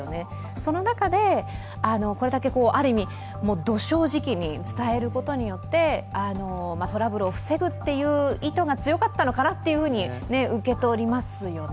その中でこれだけある意味、ど正直に伝えることによってトラブルを防ぐという意図が強かったのかなと受け取りますよね。